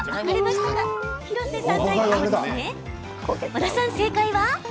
小田さん、正解は？